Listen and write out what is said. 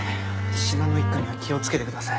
信濃一家には気をつけてください。